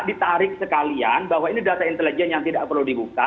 ditarik sekalian bahwa ini data intelijen yang tidak perlu dibuka